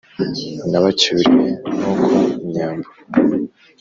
Nabacyuriye Ntuku inyambo.